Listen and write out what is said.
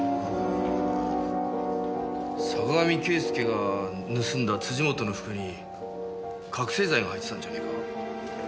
坂上啓輔が盗んだ本の服に覚せい剤が入ってたんじゃねえか？